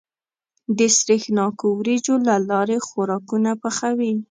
د سرېښناکو وريجو له لارې خوراکونه پخوي.